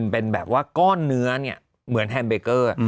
เป็นแบบว่าก้อนเนื้อเนี่ยเหมือนแฮมเบเกอร์